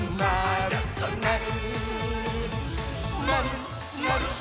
「まる、まるっ」